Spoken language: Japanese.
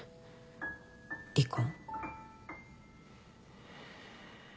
離婚。